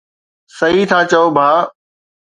صحيح ٿا چئو ڀاءُ